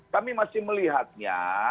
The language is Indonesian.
kami masih melihatnya